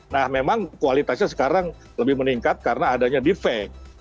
nah memang kualitasnya sekarang lebih meningkat karena adanya defect